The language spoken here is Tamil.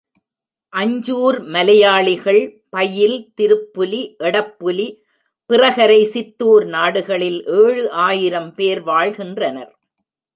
அஞ்சூர் மலையாளிகள் பயில், திருப்புலி, எடப்புலி, பிறகரை, சித்தூர் நாடுகளில் ஏழு ஆயிரம் பேர் வாழ்கின்றனர்.